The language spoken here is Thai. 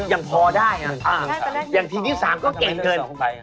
ยังพอได้ค่ะอย่างตีมที่๒ก็เก่งเกินอ้าว